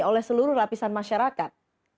oleh seluruh lapisan masyarakat